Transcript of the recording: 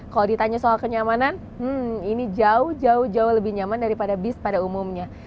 kalau ditanya soal kenyamanan ini jauh jauh lebih nyaman daripada bis pada umumnya